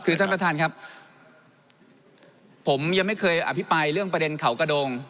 คือท่านประธานครับผมยังไม่เคยอภิปรายเรื่องประเด็นเขากระโดง